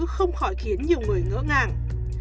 không khỏi khiến nhiều người ngỡ ngàng